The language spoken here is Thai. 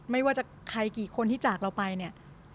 ไม่ว่าจะใครกี่คนที่จากเราไปเนี่ย